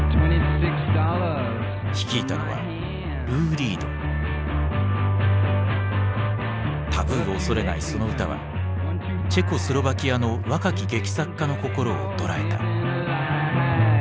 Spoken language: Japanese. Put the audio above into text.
率いたのはタブーを恐れないその歌はチェコスロバキアの若き劇作家の心を捉えた。